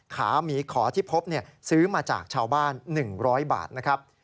ขามีขอทิพพเนี้ยซื้อมาจากชาวบ้านหนึ่งร้อยบาทนะครับ